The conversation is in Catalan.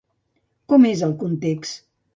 Com és el context?